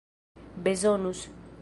bezonus